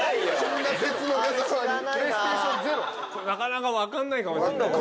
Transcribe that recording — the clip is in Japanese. なかなか分かんないかもしれない。